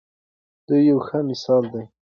دی یو ښه مثال دی.